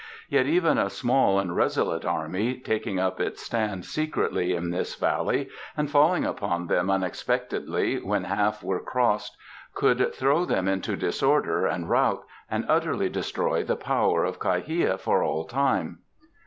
Yet even a small and resolute army taking up its stand secretly in this valley and falling upon them unexpectedly when half were crossed could throw them into disorder and rout, and utterly destroy the power of Kha hia for all time."